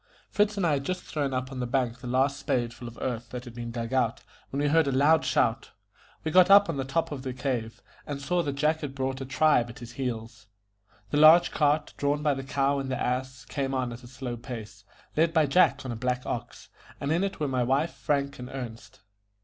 Fritz and I had just thrown up on the bank the last spade full of earth that had been dug out, when we heard a loud shout. We got up on the top of the cave, and saw that Jack had brought back a tribe at his heels. The large cart, drawn by the cow and the ass, came on at a slow pace, led by Jack on a black ox, and in it were my wife, Frank, and Ernest.